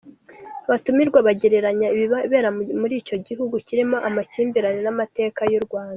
Abatumirwa bagereranya ibibera muri icyo gihugu kirimo amakimbirane n’amateka y’u Rwanda.